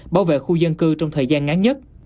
bảo vệ khu dân cư trong thời gian ngắn nhất